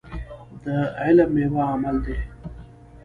د علم ميوه عمل دی.